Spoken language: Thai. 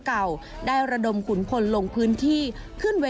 เอาฟื้อไหนคะ